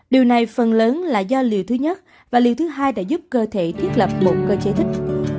điều này phần lớn là do liều thứ nhất và liều thứ hai đã giúp cơ thể thiết lập một cơ chế thích